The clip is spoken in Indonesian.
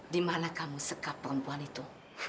dimana kamu sekap perempuan itu